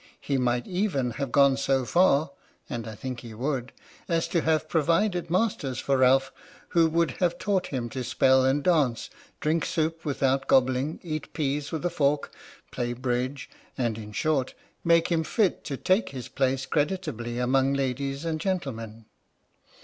He might even have gone so far 7i H.M.S. "PINAFORE" (and I think he would) as to have provided masters for Ralph whd would have taught him to spell and dance, drink soup without gobbling, eat peas with a fork, play bridge, and, in short, make him fit to take his place creditably among ladies and gentlemen.